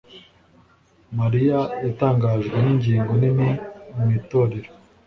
mariya yatangajwe ningingo nini mu itorero